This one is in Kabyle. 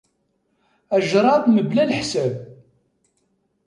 Ajrad mebla leḥsab.